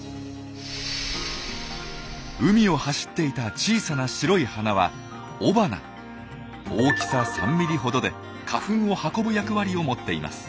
海を走っていた小さな白い花は大きさ３ｍｍほどで花粉を運ぶ役割を持っています。